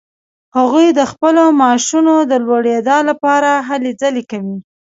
هغوی د خپلو معاشونو د لوړیدا لپاره هلې ځلې کوي.